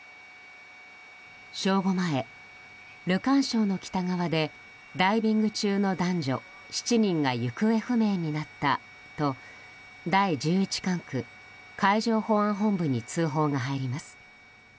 正午前、ルカン礁の北側でダイビング中の男女７人が行方不明になったと第１１管区海上保安本部に通報が入ります。